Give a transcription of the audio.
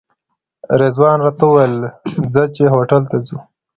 رضوان راته وویل ځه چې هوټل ته ځو.